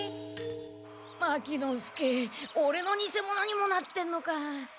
牧之介オレの偽者にもなってんのか。